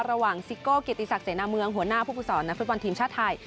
ระหว่างซิโกเกียรติศักดิ์เสนาเมืองหัวหน้าผู้ผู้สอนในฟุตบอลทีมชาติไทย